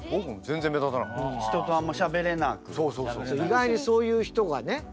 意外にそういう人がね。